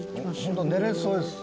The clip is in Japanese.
本当寝れそうです。